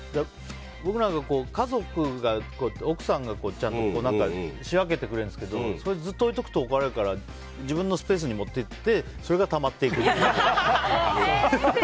僕なんか奥さんがちゃんと調べてくれるんですけどそれをずっと置いておくと怒られるから自分のスペースに持っていってそれがたまっていく。